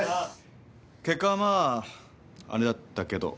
結果はまああれだったけど。